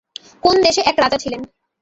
কোন দেশে এক রাজা ছিলেন।